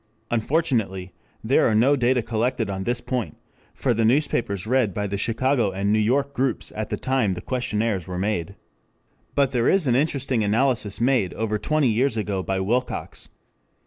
Unfortunately there are no data collected on this point for the newspapers read by the Chicago and New York groups at the time the questionnaires were made. But there is an interesting analysis made over twenty years ago by Wilcox.